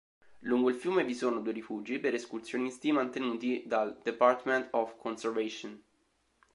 Lungo il fiume vi sono due rifugi per escursionisti mantenuti dal Department of Conservation.